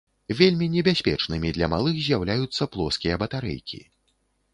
Вельмі небяспечнымі для малых з'яўляюцца плоскія батарэйкі.